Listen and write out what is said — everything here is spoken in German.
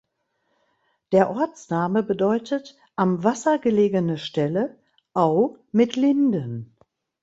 Der Ortsname bedeutet "am Wasser gelegene Stelle (Au) mit Linden".